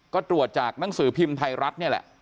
ก็ตรวจจากหนังสือพิมพ์ไทยรัฐนี่แหละ